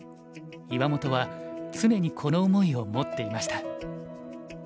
岩本は常にこの思いを持っていました。